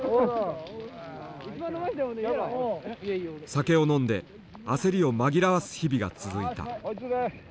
酒を飲んで焦りを紛らわす日々が続いた。